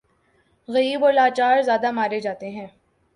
غریب اور لاچار زیادہ مارے جاتے ہیں۔